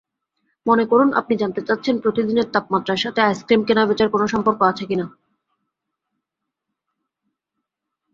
মনে করুন আপনি জানতে চাচ্ছেন প্রতিদিনের তাপমাত্রার সাথে আইসক্রিম বেচাকেনার কোন সম্পর্ক আছে কিনা?